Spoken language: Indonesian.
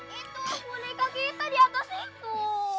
itu boneka kita diatas itu